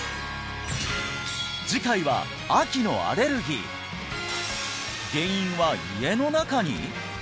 次回は秋のアレルギー原因は家の中に！？